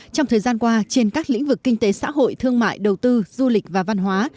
trong thời gian qua trên các lĩnh vực kinh tế xã hội thương mại đầu tư du lịch và văn hóa